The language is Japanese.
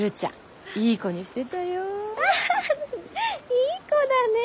いい子だね。